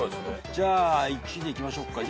じゃあ１でいきましょうか。